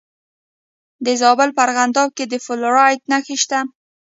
د زابل په ارغنداب کې د فلورایټ نښې شته.